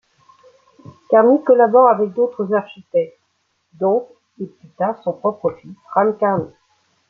Karmi collabore avec d'autres architectes, dont et plus tard son propre fils Ram Karmi.